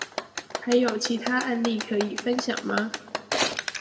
還有其他案例可以分享嗎？